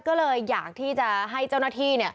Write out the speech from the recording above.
ก็เลยอยากที่จะให้เจ้าหน้าที่เนี่ย